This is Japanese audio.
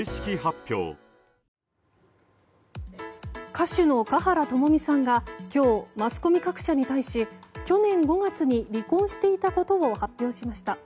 歌手の華原朋美さんが今日マスコミ各社に対し去年５月に離婚していたことを発表しました。